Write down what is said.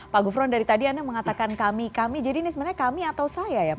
pak gufron dari tadi anda mengatakan kami kami jadi ini sebenarnya kami atau saya ya pak